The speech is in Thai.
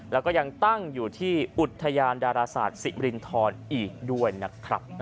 แล้วก็ยังตั้งอยู่ที่อุทยานดาราศาสตร์ศิรินทรอีกด้วยนะครับ